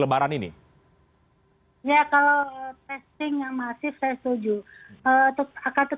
ya kalau testing yang masif saya setuju